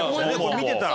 見てたら。